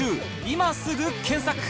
今すぐ検索